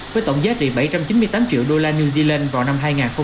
với tổng giá trị bảy trăm chín mươi tám triệu đô la new zealand vào năm hai nghìn hai mươi